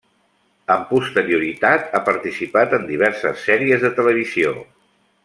Amb posterioritat ha participat en diverses sèries de televisió.